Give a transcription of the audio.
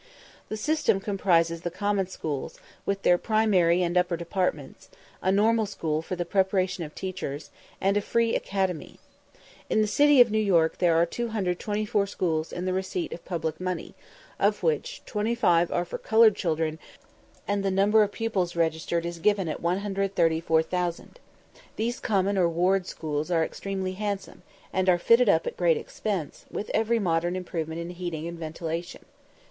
The system comprises the common schools, with their primary and upper departments, a normal school for the preparation of teachers, and a free academy. In the city of New York there are 224 schools in the receipt of public money, of which 25 are for coloured children, and the number of pupils registered is given at 133,813. These common or ward schools are extremely handsome, and are fitted up at great expense, with every modern improvement in heating and ventilation.